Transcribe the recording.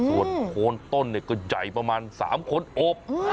ส่วนโคนต้นก็ใหญ่ประมาณ๓คนอบ